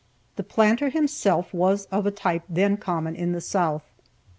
The planter himself was of a type then common in the South.